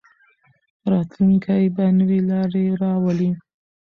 راتلونکی به نوې لارې راولي.